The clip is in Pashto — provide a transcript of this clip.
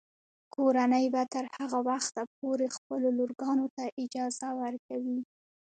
کورنۍ به تر هغه وخته پورې خپلو لورګانو ته اجازه ورکوي.